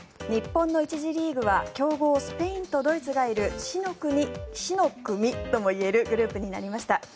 日本の１次リーグは強豪スペインとドイツがいる死の組ともいえるグループになりました。